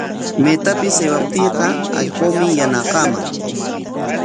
Maytapis aywaptiiqa allquumi yanaqaman.